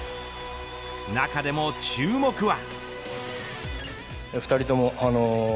中でも注目は。